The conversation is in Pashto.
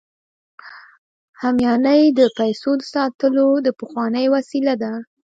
همیانۍ د پیسو د ساتلو پخوانۍ وسیله ده